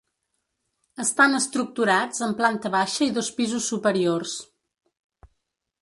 Estan estructurats en planta baixa i dos pisos superiors.